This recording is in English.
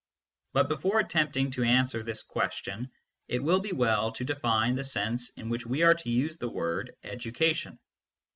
But before attempting to answer this question it will be well to define the sense in which we are to use the word " educa tion."